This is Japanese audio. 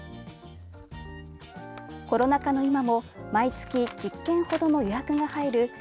コロナ禍の今も毎月１０件ほどの予約が入る